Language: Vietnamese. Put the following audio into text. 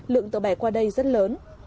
lượng tựa bẻ qua đây rất lớn